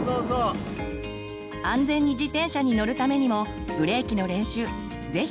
安全に自転車に乗るためにもブレーキの練習是非やって下さいね。